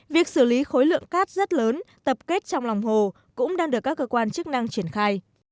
việc xử lý khối lượng cát rất lớn tập kết trong lòng hồ cũng đang được các cơ quan chức năng triển khai